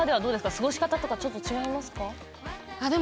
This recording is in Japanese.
過ごし方とかちょっと違いますか。